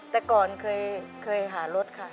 แต่ก่อนเคยหารถค่ะ